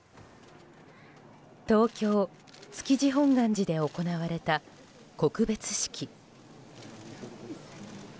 東京・築地本願寺で行われた告別式。